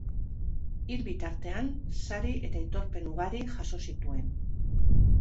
Hil bitartean, sari eta aitorpen ugari jaso zituen.